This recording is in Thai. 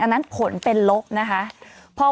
อันนั้นผลเป็นลบนะคะ